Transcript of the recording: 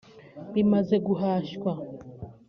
Bimaze guhashwa